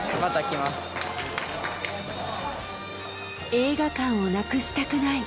映画館をなくしたくない。